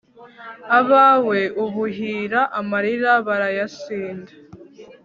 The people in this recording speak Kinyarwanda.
abawe ubuhira amarira barayasinda